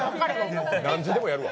何時でもやるわ。